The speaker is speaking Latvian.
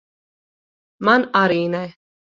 Man arī ne.